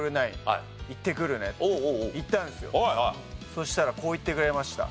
そしたらこう言ってくれました。